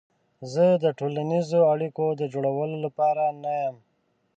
زه د ټولنیزو اړیکو د جوړولو لپاره نه یم.